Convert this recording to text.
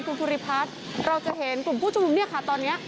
คุณภูริพัฒน์เราจะเห็นกลุ่มผู้ชุมนุมเนี่ยค่ะตอนนี้